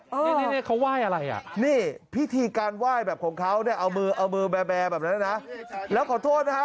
นี่เขาไหว้อะไรอ่ะนี่พิธีการไหว้แบบของเขาเนี่ยเอามือเอามือแบร์แบบนั้นนะแล้วขอโทษนะฮะ